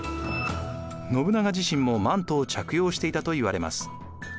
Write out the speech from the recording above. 信長自身もマントを着用していたといわれます。